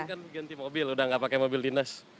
kan ganti mobil udah gak pake mobil dinas